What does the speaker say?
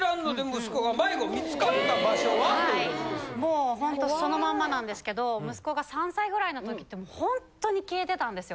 もうほんとそのままなんですけど息子が３歳ぐらいの時ってほんとに消えてたんですよ。